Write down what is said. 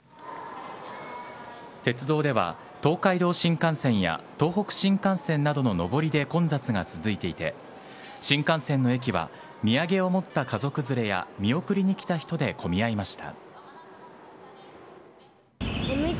鉄道では東海道新幹線や東北新幹線などの上りで混雑が続いていて新幹線の駅は土産を持った家族連れや見送りに来た人で混み合いました。